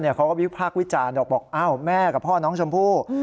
เขาก็วิพากษ์วิจารณ์บอกอ้าวแม่กับพ่อน้องชมพู่